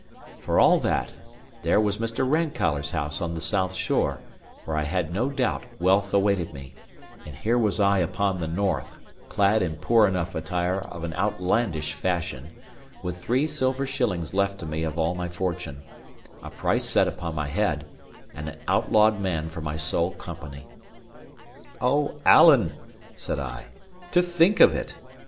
For all that, there was Mr. Rankeillor's house on the south shore, where I had no doubt wealth awaited me; and here was I upon the north, clad in poor enough attire of an outlandish fashion, with three silver shillings left to me of all my fortune, a price set upon my head, and an outlawed man for my sole company. "O, Alan!" said I, "to think of it!